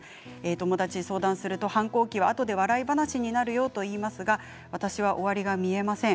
友達に相談すると反抗期はあとで笑い話になるよと言いますが私は終わりが見えません。